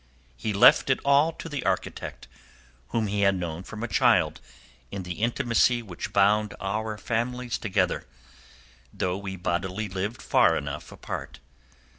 He left it all to the architect whom he had known from a child in the intimacy which bound our families together, though we bodily lived far enough apart.